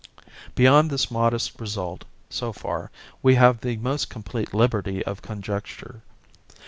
Beyond this modest result, so far, we have the most complete liberty of conjecture.